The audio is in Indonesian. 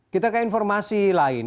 kita ke informasi lain